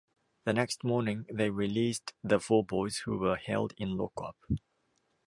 The next morning they released the four boys who were held in lockup.